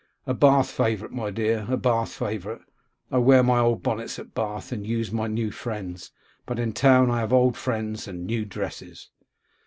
'A Bath favourite, my dear; a Bath favourite. I wear my old bonnets at Bath, and use my new friends; but in town I have old friends and new dresses.